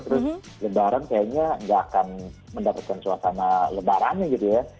terus lebaran kayaknya nggak akan mendapatkan suasana lebarannya gitu ya